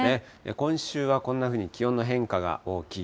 今週はこんなふうに気温の変化が大きい。